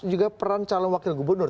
juga peran calon wakil gubernur